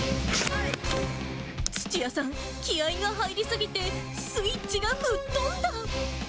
土屋さん、気合いが入り過ぎて、スイッチがぶっ飛んだ。